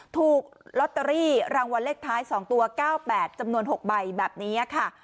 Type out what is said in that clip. ถูกลอตเตอรี่รางวัลเลขท้าย๒ตัว๙๘จำนวน๖ใบแบบนี้ค่ะ